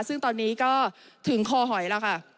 ซึ่งตอนนี้ก็ถึงคอหอยแล้วค่ะ